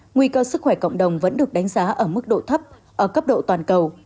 nguy cơ sức khỏe cộng đồng vẫn được đánh giá ở mức độ thấp ở cấp độ toàn cầu